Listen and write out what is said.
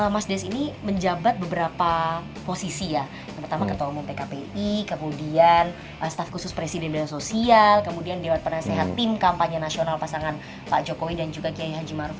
mas des ini menjabat beberapa posisi ya terutama ketua umum pkpi kemudian staf khusus presiden bidang sosial kemudian dewan penasehat tim kampanye nasional pasangan pak jokowi dan juga kiai haji maruf